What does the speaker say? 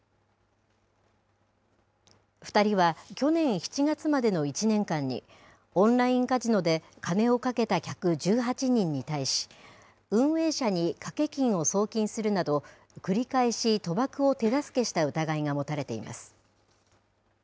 ２人は去年７月までの１年間に、オンラインカジノで金を賭けた客１８人に対し、運営者に賭け金を送金するなど、繰り返し賭博を手助けした疑いが持たれています。